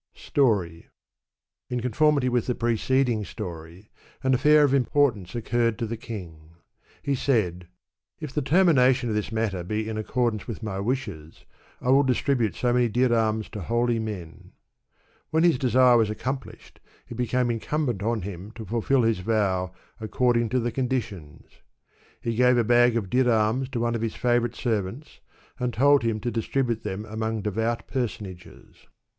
Story. In conformity with the preceding story, an afEur of importance occurred to the king. He said, " If the termination of this matter be in accordance with my wishes, I will distribute so many dirams to holy men." When his desire was accomplished, it became incum bent on him to fulfil his vow according to the condi tions. He gave a bag of dirams to one of his &vorite servants, and told him to distribute them among devout personages.